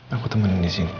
aku temenin disini